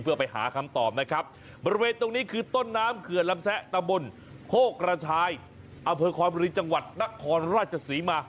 เอาเพื่อความรู้จังหวัดนครราชสีมา